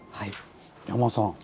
山葉さん。